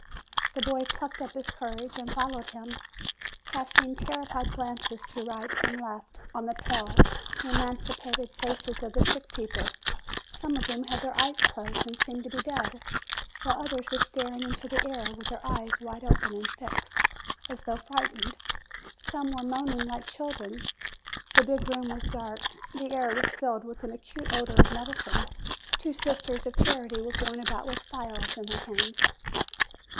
The boy plucked up his courage, and followed him, casting terrified glances to right and left, on the pale, emaciated faces of the sick people, some of whom had their eyes closed, and seemed to be dead, while others were staring into the air, with their eyes wide open and fixed, as though frightened. Some were moaning like children. The big room was dark, the air was filled with an acute odor of medicines. Two sisters of charity were going about with phials in their hands.